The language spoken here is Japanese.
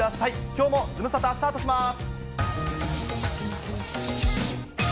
きょうもズムサタ、スタートします。